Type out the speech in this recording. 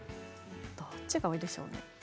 どっちが多いでしょうね。